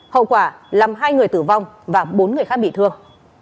hậu quả làm hai người tử vong và bốn người khác bị thương